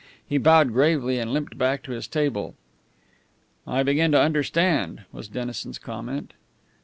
He bowed gravely and limped back to his table. "I begin to understand," was Dennison's comment.